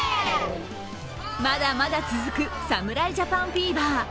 まだまだ続く侍ジャパンフィーバー。